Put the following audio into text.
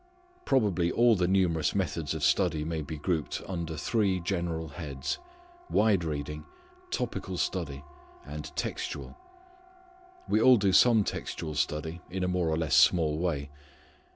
Probably all the numerous methods of study may be grouped under three general heads, wide reading, topical study, and textual. We all do some textual study in a more or less small way.